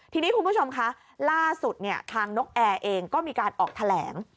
ทีนี้คุณผู้ชมคะล่าสุดทางนกแอร์เองก็มีการออกแถลง